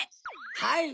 はい！